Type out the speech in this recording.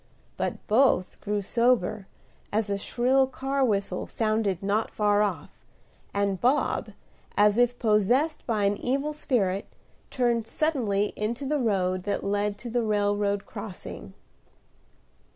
But both grew sober as a shrill car whistle sounded not far off; and Bob, as if possessed by an evil spirit, turned suddenly into the road that led to the railroad crossing.